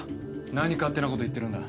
何勝手なこと言ってるんだ。